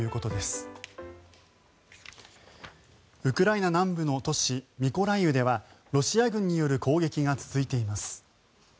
ウクライナ南部の都市ミコライウではロシア軍による攻撃が続いています。